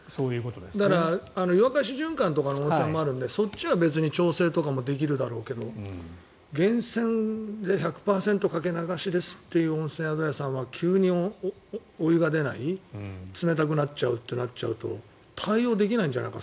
だから、湯沸かし循環とかの温泉もあるのでそっちは別に調整とかもできるだろうけど源泉で１００％かけ流しですという温泉宿屋さんは急にお湯が出ない冷たくなっちゃうとなると対応できないんじゃないか